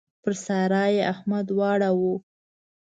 پر سارا يې احمد واړاوو.